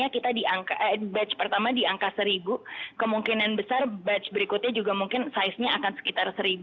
iya jadi kita memang melakukan ini by batch jadi untuk batch berikutnya kita di angka batch pertama di angka seribu kemungkinan besar batch berikutnya juga mungkin size nya akan sekitar seribu